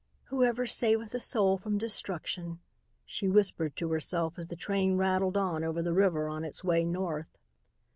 "Whosoever saveth a soul from destruction," she whispered to herself as the train rattled on over the river on its way north.